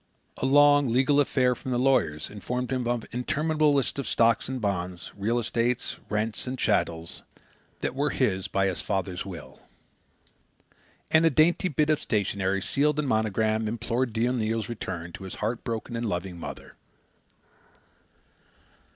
A long, legal affair from the lawyers informed him of interminable lists of stocks and bonds, real estate, rents, and chattels that were his by his father's will. And a dainty bit of stationery, sealed and monogramed, implored dear Neil's return to his heart broken and loving mother.